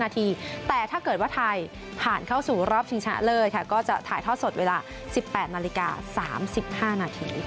แต่ถ้าเกิดว่าไทยผ่านเข้าสู่รอบทิ้งชะเลิศก็ถ่ายทอดสดเวลา๑๘๓๕น